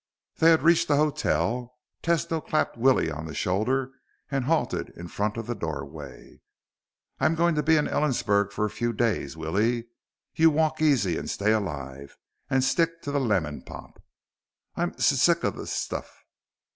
They had reached the hotel. Tesno clapped Willie on the shoulder and halted in front of the doorway. "I'm going to be in Ellensburg for a few days, Willie. You walk easy, and stay alive. And stick to the lemon pop." "I'm s sick of the s stuff."